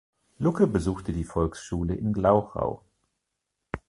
Lucke besuchte die Volksschule in Glauchau.